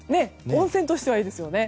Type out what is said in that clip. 温泉としてはいいですよね。